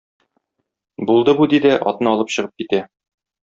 Булды бу, - ди дә атны алып чыгып китә.